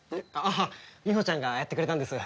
ああみほちゃんがやってくれたんです。